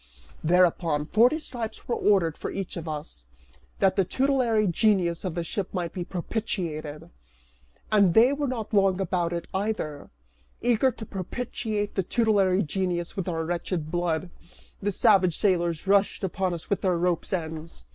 Thereupon, forty stripes were ordered for each of us, that the tutelary genius of the ship might be propitiated. And they were not long about it either. Eager to propitiate the tutelary genius with our wretched blood, the savage sailors rushed upon us with their rope's ends.